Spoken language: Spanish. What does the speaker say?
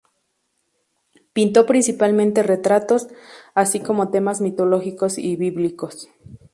Pintó principalmente retratos, así como temas mitológicos y bíblicos.